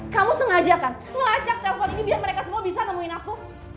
kamu sengaja kan ngelacak telpon ini biar mereka semua bisa nemuin aku